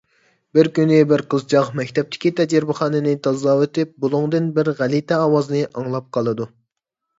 بىر كۈنى بىر قىزچاق مەكتەپتىكى تەجرىبىخانىنى تازىلاۋېتىپ بۇلۇڭدىن بىر غەلىتە ئاۋازنى ئاڭلاپ قالىدۇ.